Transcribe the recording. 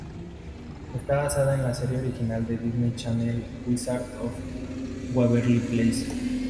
Está basado la serie original de Disney Channel "Wizards of Waverly Place".